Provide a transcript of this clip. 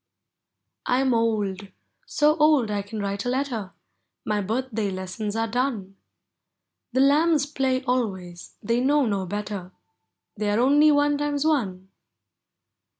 I am old, — so old I can write a letter; My birthday lessons are done. The lambs play always, — they know no better; They are only one times one.